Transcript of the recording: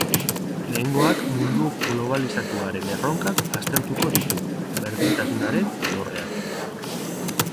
Lehengoak mundu globalizatuaren erronkak aztertuko ditu, berdintasunaren alorrean.